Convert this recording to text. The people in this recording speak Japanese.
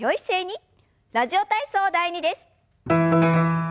「ラジオ体操第２」です。